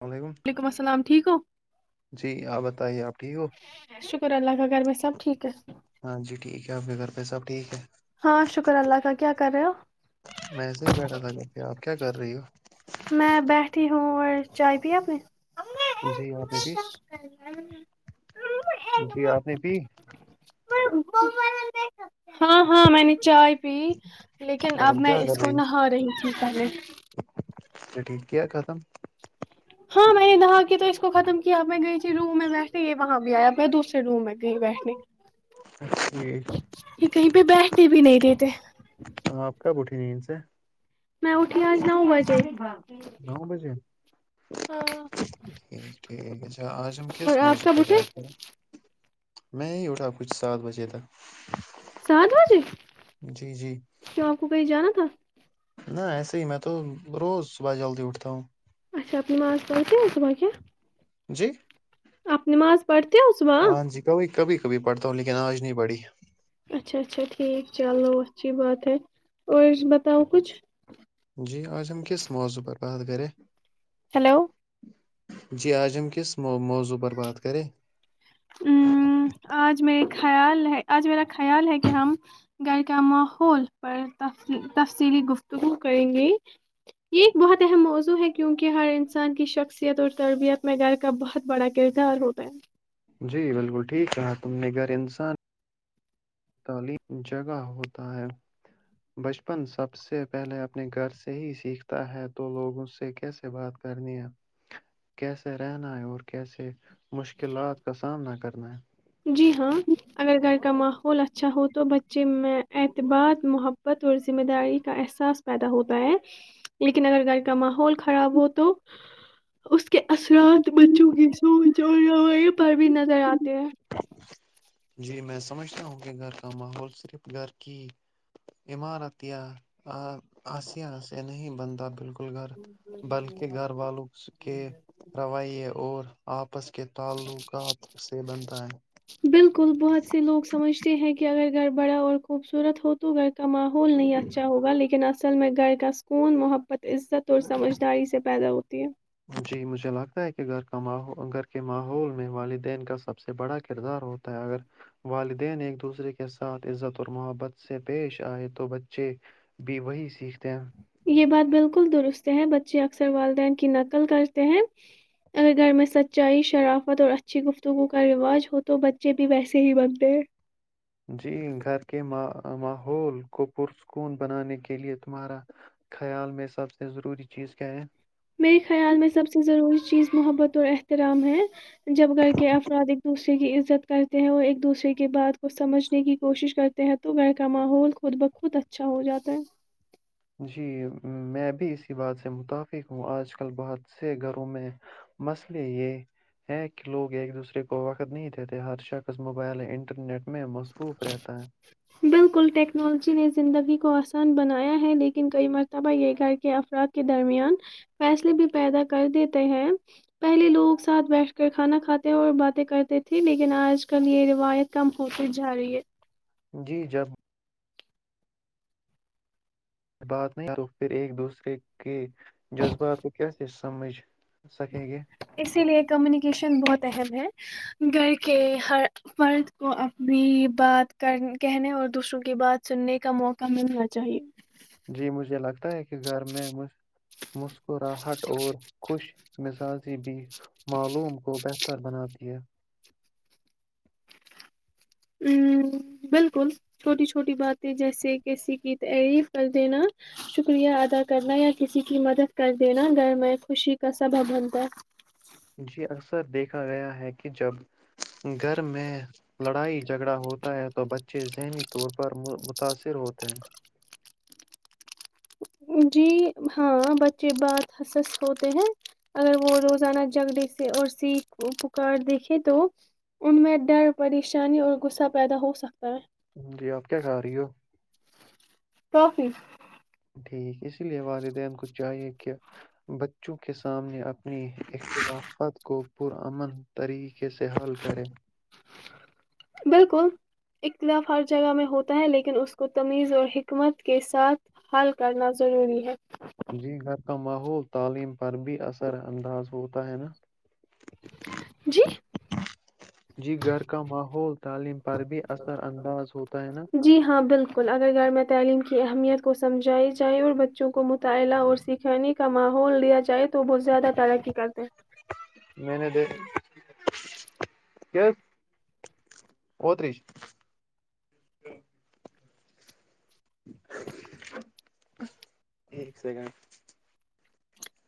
اللام علیکم وعلیکم السلام ٹھیک ہو جی آپ بتائیے آپ ٹھیک ہو شکر اللہ کا گھر میں سب ٹھیک ہے ہاں جی ٹھیک ہے آپ کے گھر پہ سب ٹھیک ہے ہاں شکر اللہ کا کیا کر رہے ہو میں ایسے ہی بیٹھا تھا گھر پہ آپ کیا کر رہی ہو میں بیٹھی ہوں اور چائے پ اپنی جی یہاں پہ بھی جی آپ نے پی ہاں ہاں میں نے چائے بھی لیکن اب اور میں کیا اس کر کو ہو نہا رہی جٹکے [unintelligible] تو ٹھیک کیا ہے ختم ہاں میں نے دا کی تو اس کو ختم کیا میں گئی تھی رووم میں بیٹھے یہ وہاں بھی آیا میں دوسر روم میں کہیں بیٹھنے ٹھیک یہ کہیں پہ بیٹھ بھی نہیں دیتے ہاں آپ کب اٹھی نہیں ان سے میں اٹھی آج نو بجے نو بجے ٹھیک ٹھیک اچھا آج ہم اور کس آپ موضوع سب پر اھے بات کریں میں ہی اٹھا کچھ سات بجے تک سات بجے جی جی چوپ کو کہیں جانا تھا نہ ایسے ہی میں تو روز صبح جلدی اٹھتا ہوں اچا نماز پنتی ہے صبح کی جی آپ نماز پڑھتے ہو صبح ہاں جی کبھی کبھی کبھی پڑھتا ہوں لیکن آج نہیں پڑھی اچھا اچھا ٹھیک چلو اچھی بات ہے اور بتاؤ کچھ جی آج ہم کس موضوع پر بات کرے ہلو جی آجم کس موضوع پر بات کریں؟ ہ آج میرے خیال ہے آج میرا خیال ہے کہ ہم گھر کا ماحول پر تفصیلی گفتگو کریں گے یہ ایک بہت اہم موضوع ہے کیونکہ ہر انسان کی شخصیت اور تربیت میں گھر کا بہت بڑا کردار ہوتا ہے جی بالکل ٹھیک ہے تم نے گھر انسان تعلیم جگہ ہوتا ہے بچپن سب سے پہلے اپنے گھر سے ہی سیکھتا ہے تو لوگ اس سے کیسے بات کرنی ہے کیسے رہنا ہے اور کیسے مشکلات کا سامنا کرنا ہے جی ہاں اگر گھر کا ماحول اچھا ہو تو بچے میں اعتبار محبت اور ذمہ داری کا احساس پیدا ہوتا ہے لیکن اگر گھر کا ماحول خراب ہو تو اس کے اثرات بچوں کی سوچ اور روی پر بھی نظر آتے ہیں جی میں سمجھتا ہوں کہ گھر کا ماحول صرف گھر کی عمارت یا آسیا سے نہیں بنتا بالکل گھر بلکہ گھر والوں کے رویے اور آپس کے تعلقات سے بند ہ بالکل بہت سے لوگ سمجھتے ہیں کہ اگر گھر بڑا اور خوبصورت ہو تو گھر کا ماحول نہیں اچھا ہوگا لیکن چل م میں گکس خون بت عزت اور سمجھداری سے پیدا ہوتی ہے مجا لگتا ہے ایک گھر کماؤ گھر کے ماحول میں والدین کے کا سب سے بڑا کردار ہوتا ہے اگر والدین ایک دوسرے کے ساتھ عزت اور محبت سے پیش آئے تو بچے بھی وہی سیکھتے ہیں یہ بات بالکل درست ہے بچے اکثر والدین کی نقل کرتے ہیں اگر گھر میں سچائی شرافت اور اچھی گفتگو کا رواج ہو تو بچے بھی ویسے ہی بنتے ہیں جی گھر کے ماحول کو پرسکون بنانے کےلئے تمہارا خیال میں سب سے ضروری چیز کیا ہے میرے خیال میں سب سے ضروری چیز محبت ال احترام ہے جب گھر کے افراد ایک دوسرے رے کی عزت کرتے ہیں اور ایک دوسرے کی بات کو سمجھنے کی کوشش کرتے ہیں تو گھر کا ماحول خود بخود اچھا ہو جاتا ہے جی میں بھی اسی بات سے متفق ہوں آج کل بہت سے گھروں میں مسئلے یہ ہے کہ لوگ ایک دوسرے کو وقت نہیں دیتے ہر شخص موبائل انٹرنیٹ میں مصروف رہتا ہے بالکل ٹیکنالوجی نے زندگی کو آسان بنایا ہے لیکن کئی مرتبہ یہ گھر کے افراد کے درمیان فیصلے بھی پیدا کر دیتے ہیں پہلے لوگ ساتھ بیٹھ کر کھانا کھاتے اور باتیں کرتے تھے لیکن آج کل یہ روایت کم ہوتی جا رہی ہے جی جب بات نہیں کر پھر ایک دوسرے کے جذبات کو کیسے سمجھ سکیں گے اسی لیے کمیونیکیشن بہت اہم ہے گھر کے ہر فرد کو اپنی بات کر کہنے اور دوسروں کی بات سننے کا موقع ملنا چاہیے جی مجھے لگتا ہے کہ گھر میں مسکراہٹ اور خوش مزاجی بھی معلوم کو بہتر بناتی ہے ہ بالکل چھوٹی چھوٹی باتیں جیسے کسی کی تعریف کر دینا شکریہ ادا کرنا یا کسی کی مدد کر دینا گھر میں خوشی کا سبب بنتا ہے جی اکثر گیا ہے کہ جب گھر میں لڑائی جھگڑا ہوتا ہے تو بچے ذہنی طور پر متاثر ہوتے ہیں جی ہاں بچے بات ح ہوتے ہیں اگر وہ روزانہ جگڑے سے اور سیکھ پکار دیکھے تو ان میں ڈر پریشانی اور غصہ پیدا ہو سکتا ہے جی آپ کیا کہہ رہی ہو کافی ٹھیک اس لیے والدین کو چاہیے کہ بچوں کے سامنے اپنی خلافات کو پرامن طریقے سے حل کرے بالکل اختلاف ہر جگہ میں ہوتا ہے لیکن اس کو تمیز اور حکمت کے ساتھ حل کرنا ضروری ہے جی گھر کا ماحول تعلیم پر بھی اثر انداز ہوتا ہے نا جی جی گھر کا ماحول تعلیم پر بھی اثر انداز ہوتا ہے نا جی ہاں بالکل اگر گھر میں تعلیم کے کی اہمیت کو سمجھائی جائے اور بچوں کو مطالعہ اور سکھانے کا ماحول دیا جائے تو وہ زیادہ ترقی کرتے ہیں نے اوتری ایک سیکنڈ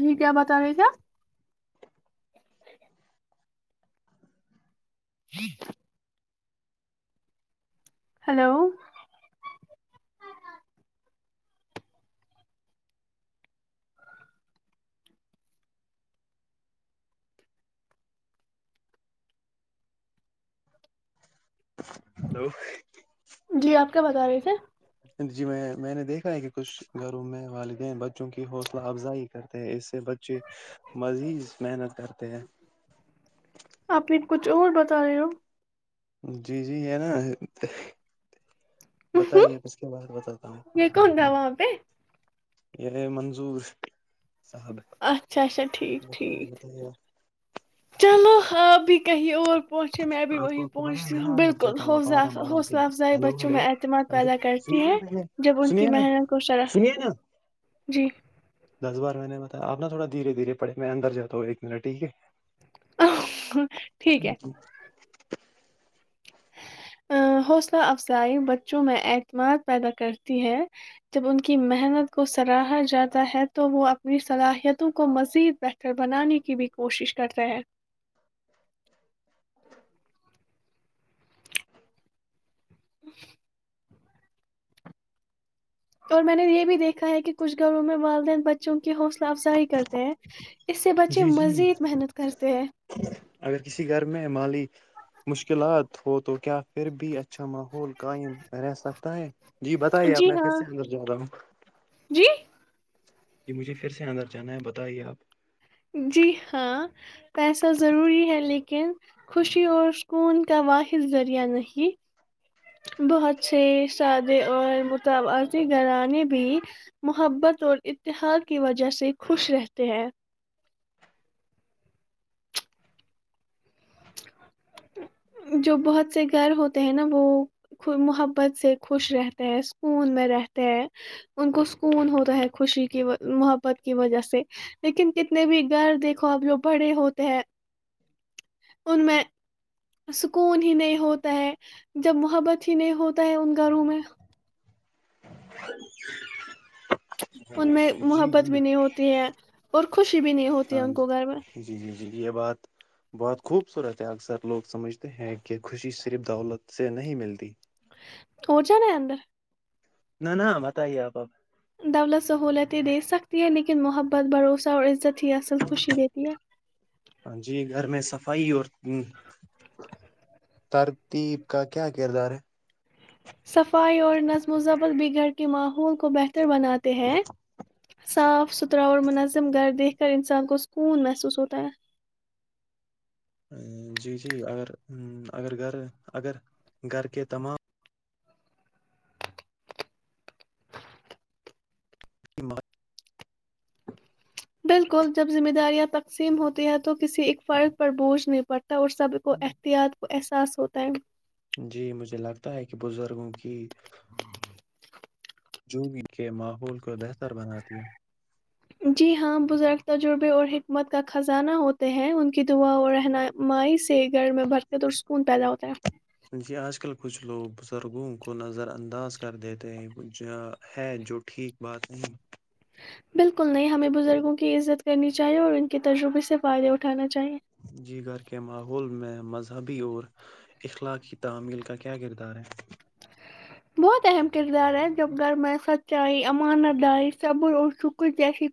جی کیا بتا رہے تھ آپ جی ہلو ہلو جی آپ کیا بتا رہے تھے جی میں میں نے دیکھا ہے کہ کچھ گھروں میں والدین ب چونکہ حوصلہ افزائی کرتے ہیں اس بچے مزید محنت کرتے ہیں آپ نے کچھ اور بتا رہے ہو جی جی ہے نا بتائیے اس کے بعد بتاتا ہوں م کون تھا وہاں پہ یہ منظور صاحب اچھا اچھا ٹھیک ہے۔ ٹھیک بتائیے بتائیے چلو ہاں بھی کہیں اور پہنچے میں ابھی آپ آپ کو وہیں آپ کو پتا ہے پہنچتی میں نا ہوں اندر بالکل جاتا ہوں آپ حوصلہ آرام آرام سے حوصلہ افزائی ہلو بچوں میں ہلو اعتماد پیدا کرتی سنیے ہے نا پہلے جب ان سنیے کی نا محنت کو شرح سنیے نا جی دس بار میںہ نے بتا آپ ن تھڑا دھیر دھیرے پڑے میں اندر جات ہوں ایک منٹ ٹھیک ہے ا [unintelligible] حوصلہ افزائی بچوں میں اعتماد پیدا کرتی ہے جب ان کی محنت کو سراہا جاتا ہے تو وہ اپنی صلاحیتوں کو مزید بہتر بنانے کی بھی کوشش کرتا ہے [unintelligible] [unintelligible] اور میں نے یہ بھی دیکھا ہے کہ کچھ گھروں میں م بچوں کی حوصلہ افزائی کرتے ہیں اس سے بچے جی جی مزید محنت کرتے ہیں اگر کسی گھر میں مالی مشکلات ہو تو کیا پھر بھی اچھا ماحول قائم میں رہ سکتا ہے جی بتائیے آپ جی میں پھر ہاں سے اندر ج رہا ہوں جی جی مجھے پھر سے اندر جانا ہے بتائیے آپ جی ہاں پیسہ ضروری ہے لیکن خوشی اور سکون کا واحد ذریعہ نہیں بہت سے سادے اور متوات گھرانے بھی محبت اور اتحاد کی وجہ سے خوش رہتے ہیں جو بہت سے گھر ہوتے ہیں نا وہ محبت سے خوش رہتے ہیں سکون میں رہتے ہیں ان کو سکون ہوتا ہے خوشی کی محبت کی وجہ سے لیکن کتنے بھی گھر دیکھو آپ جو بڑے ہوتے ہیں ان میں سکون ہی نہیں ہوتا ہے جب وہ محبت ہی نہیں ہوتا ہے ان گھروں میں [unintelligible] ان میں جی محبت جی بھی نہیں ہوتی ہے اور خوشی بھی نہیں ہوتی ہے ہاں ان کو گھر میں جی جی جی یہ بات بہت خوبصورت ہے اکثر لوگ سمجھتے ہیں کہ خوشی صرف دولت سے نہیں ملتی ہو جان اندر نہ نہ بتائیے آپ اب دولت سہولتیں دے سکتی ہیں لیکن محبت بھروسہ اور عزت اچھی اصل خوشی دیتی ہے بائی اور ترتیب کا کیا کردار ہے صفائی اور نظم و ضبط بھی گھر کے ماحول کو بہتر بناتے ہیں صاف ستھرا اور منظم گھر دیکھ کر انسان کو سکون محسوس ہوتا ہے جی جی اگر اگر گھر اگر گھر کے تمام [unintelligible] بالکل جب ذمہ داریاں تقسیم ہوتی ہیں تو کسی ایک فرد پر بوجھ نہیں پڑتا تور سبقو احتیاط احساس ہوتاائ جی مجھے لگتا ہے کہ بزرگوں کی جوبی کے ماحول کو بہتر بناتی ہے جی ہاں بزرگ تجربے اور حکمت کا خزانہ ہوتے ہیں ان کی دعا اور رہنمائی سے گھر میں برکت اور سکون پیدا ہوتا ہے جی آج کل کچھ لوگ بزرگوں کو نظر انداز کر دیتے ہیں جو ہے جو ٹھیک بات نہیں بالکل نہیں ہمیں بزرگوں کی عزت کرنی چاہیے اور ان کے ترجربے سے فائدے اٹھانا چے جی گھر کے ماحول میں مذہبی اور اخلاقی تعمیل کا کیا کردار ہے بہت اہم کردار ہے جب گھر میں سچائی امانت ڈائی صبر اور شکر جیسی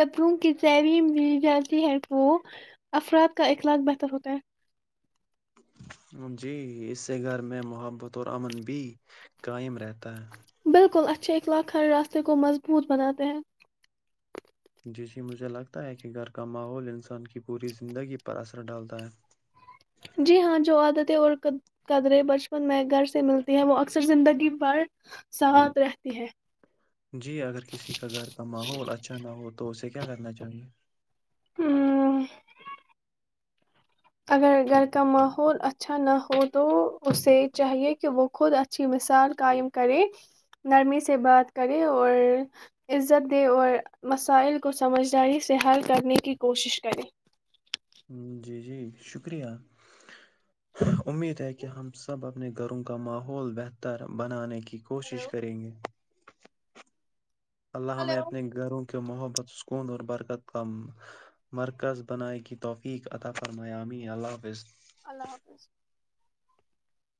قتروں کی تلیم دی جاتی ہے تو افراد کا اخلاق بہتر ہوتا ہے جی اس سے گھر میں محبت اور امن بھی قائم رہتا ہے بالکل اچ چھ ایک لاکھ ہر راستے کو مضبوط بناتے ہیں جسے مجھے لگتا ہے کہ گھر کا ماحول انسان کی پوری زندگی پر اثر ڈالتا ہے جی ہاں جو عادتیں اور قدریں بچپن میں گھر سے ملتی ہیں وہ اکثر زندگی بھر ساتھ رہتی ہے جی اگر کسی کا گھر کا ماحول اچھا نہ ہو تو اسے کیا کرنا چاہیئے ہ اگر گھر کا ماحول اچھا نہ ہو تو اسے چاہیے کہ وہ خود اچھی مثال قائم کرے نرمی سے بات کرے اور عزت دے اور مسائل کو سمجھداری سے حل کرنے کی کوشش کرے جی جی شکریہ امید ہے کہ ہم سب اپنے گھروں کا ماحول بہتر بنانے کی ہلو کوشش کریں گے اللہ میں ہلو اپنے گھروں کے محبت سکون اور برکت کا مرکز بنائے کی توفیق عطافرمیامیی اللہ حفظ اللہ حافظ